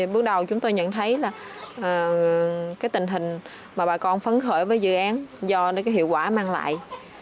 bước đầu chúng tôi nhận thấy tình hình mà bà con phấn khởi với dự án do hiệu quả mang lại